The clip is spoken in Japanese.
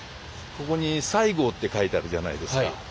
ここに「西郷」って書いてあるじゃないですか。